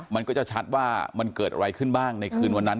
มันก็จะชัดว่ามันเกิดอะไรขึ้นบ้างในคืนวันนั้น